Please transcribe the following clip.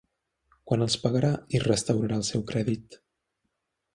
Quant els pagarà, i restaurarà el seu crèdit?